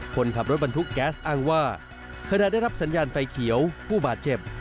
คนขับรถบรรทุกแก๊สอ้างว่าขณะได้รับสัญญาณไฟเขียวผู้บาดเจ็บ